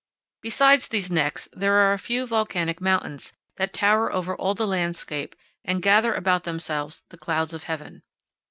Besides these necks, there are a few volcanic mountains that tower over all the landscape and gather about themselves the clouds of heaven.